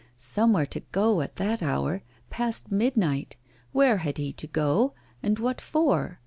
Somewhere to go at that hour past midnight! Where had he to go, and what for?